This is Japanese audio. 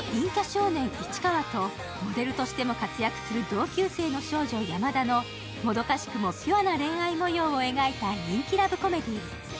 少年・市川とモデルとしても活躍する同級生の少女・山田のもどかしくもピュアな恋愛模様を描いた人気ラブコメディー。